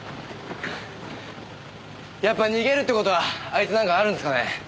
やっぱ逃げるって事はあいつなんかあるんすかね？